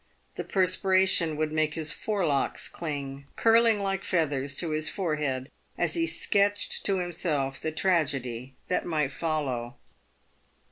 The perspiration would make his forelocks cling, curling like feathers, to his forehead as he sketched to himself the tragedy that might follow.